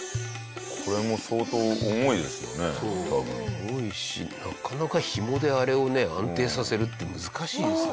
重いしなかなかひもであれをね安定させるって難しいですよ。